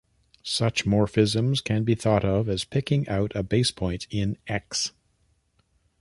Such morphisms can be thought of as picking out a basepoint in "X".